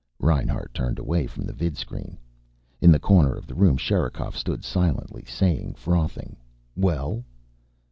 Reinhart turned away from the vidscreen. In the corner of the room Sherikov stood silently, saying nothing. "Well?"